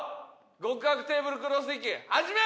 極悪テーブルクロス引き始め！